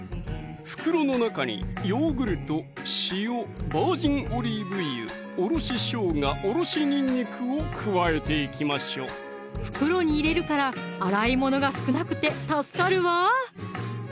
袋の中にヨーグルト・塩・バージンオリーブ油・おろししょうが・おろしにんにくを加えていきましょう袋に入れるから洗い物が少なくて助かるわ